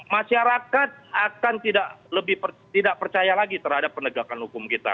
masyarakat akan tidak percaya lagi terhadap penegakan hukum kita